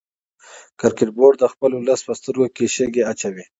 کرکټ بورډ د خپل ولس په سترګو کې شګې اچوي